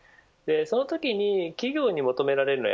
そのときに企業に求められるのは